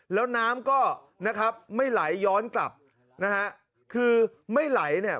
แล้วน้ำก็นะครับไม่ไหลย้อนกลับนะฮะคือไม่ไหลเนี่ย